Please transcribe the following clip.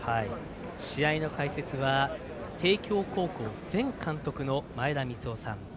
試合の解説は帝京高校前監督の前田三夫さん。